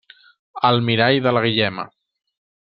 El mirall de la Guillema.